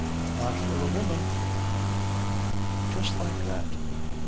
"Not for a woman." Just like that.